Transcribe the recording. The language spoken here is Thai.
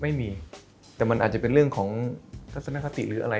ไม่มีแต่มันอาจจะเป็นเรื่องของทัศนคติหรืออะไร